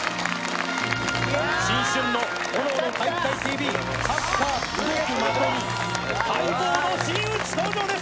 新春の「炎の体育会ＴＶ」サッカー動く的に待望の真打ち登場です。